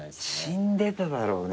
死んでただろうね。